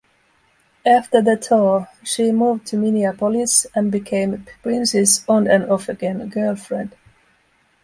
After the tour, she moved to Minneapolis and became Prince's on-and-off again girlfriend.